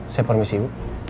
saya permisi bu